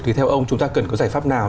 thì theo ông chúng ta cần có giải pháp nào